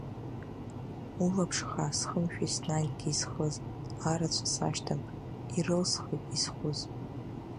Улаԥш хаа схымшәо еснагьгьы исхыз, арацәа сашьҭам, ирылсхит исхәыз.